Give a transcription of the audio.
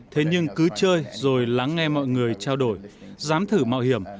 thế nhưng cứ chơi rồi lắng nghe mọi người trao đổi dám thử mạo hiểm